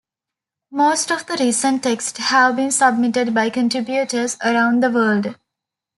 Most of the recent texts have been submitted by contributors around the world.